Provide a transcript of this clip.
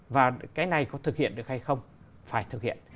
và cái này có thực hiện được hay không phải thực hiện